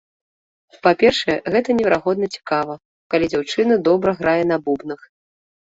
Па-першае, гэта неверагодна цікава, калі дзяўчына добра грае на бубнах.